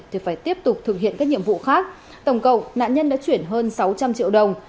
thì phải tiếp tục thực hiện các nhiệm vụ khác tổng cộng nạn nhân đã chuyển hơn sáu trăm linh triệu đồng